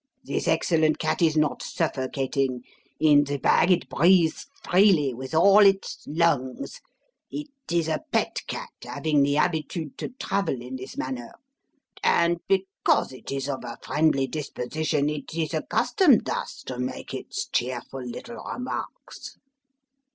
"This excellent cat is not suffocating. In the bag it breathes freely with all its lungs. It is a pet cat, having the habitude to travel in this manner; and, because it is of a friendly disposition, it is accustomed thus to make its cheerful little remarks."